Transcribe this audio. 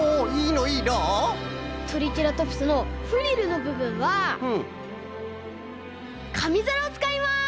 トリケラトプスのフリルのぶぶんはかみざらをつかいます！